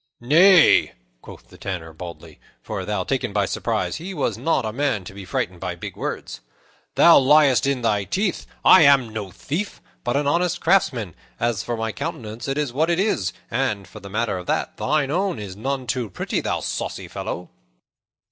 "Nay," quoth the Tanner boldly for, though taken by surprise, he was not a man to be frightened by big words "thou liest in thy teeth. I am no thief, but an honest craftsman. As for my countenance, it is what it is; and, for the matter of that, thine own is none too pretty, thou saucy fellow."